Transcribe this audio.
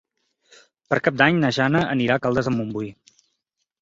Per Cap d'Any na Jana anirà a Caldes de Montbui.